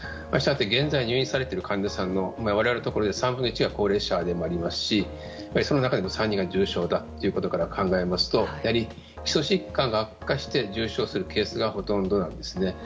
したがって入院されている患者さんの我々のところで３分の１は高齢者でもありますしその中でも３割が重症ということから考えますと基礎疾患が悪化して重症化するケースがほとんどなんですね。